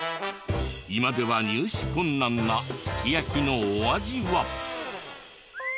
今では入手困難なすき焼きのお味は？